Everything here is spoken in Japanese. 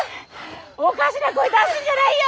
おかしな声出すんじゃないよ。